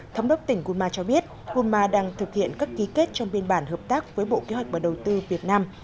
thống đốc tỉnh gunma cho biết gunma đang thực hiện các ký kết trong biên bản hợp tác với bộ kế hoạch và đầu tư việt nam